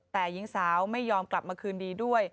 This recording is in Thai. แต่หญิงสาวไม่ยอมกลับมาคืนดีด้วย